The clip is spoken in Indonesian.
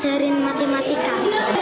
kenapa teman teman saya maju hidup